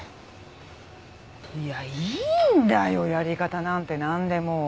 いやいいんだよやり方なんてなんでも。